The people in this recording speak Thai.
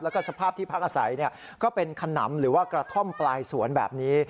แล้วก็สภาพที่พักอาศัยก็เป็นขนำหรือว่ากระท่อมปลายสวนแบบนี้